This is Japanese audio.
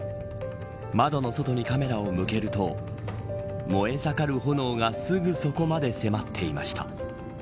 窓の外にカメラを向けると燃え盛る炎がすぐそこまで迫っていました。